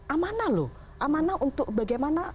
amanah loh amanah untuk bagaimana